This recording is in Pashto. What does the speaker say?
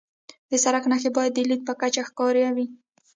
د سړک نښې باید د لید په کچه ښکاره وي.